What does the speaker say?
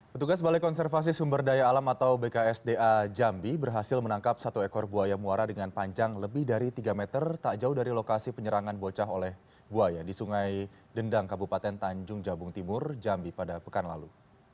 petugas balai konservasi sumber daya alam atau bksda jambi berhasil menangkap satu ekor buaya muara dengan panjang lebih dari tiga meter tak jauh dari lokasi penyerangan bocah oleh buaya di sungai dendang kabupaten tanjung jabung timur jambi pada pekan lalu